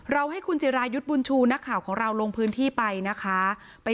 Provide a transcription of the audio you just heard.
ให้คุณจิรายุทธ์บุญชูนักข่าวของเราลงพื้นที่ไปนะคะ